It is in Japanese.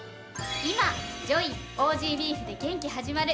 今「ＪＯＩＮ！オージー・ビーフで元気、はじまる！」